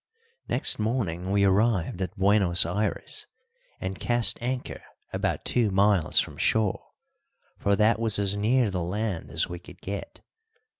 Next morning we arrived at Buenos Ayres, and cast anchor about two miles from shore, for that was as near the land as we could get.